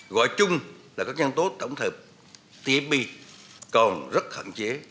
gọi chung là các nhân tố tổng thợ tmp còn rất hạn chế